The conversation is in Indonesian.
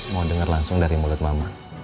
mau dengar langsung dari mulut mama